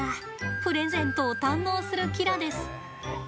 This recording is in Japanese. プレゼントを堪能するキラです。